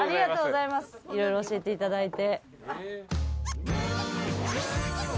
いろいろ教えていただいて。